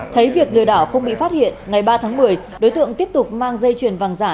thấy việc lừa đảo không bị phát hiện ngày ba tháng một mươi đối tượng tiếp tục mang dây chuyền vàng giả